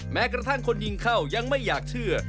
แม้กระทั่งคนยิงเข้ายังไม่อยากเชื่อ